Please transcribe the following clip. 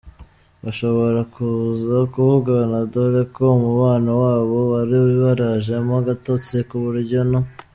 bashobora kuza kuvugana dore ko umubano wabo wari warajemo agatotsi kuburyo no.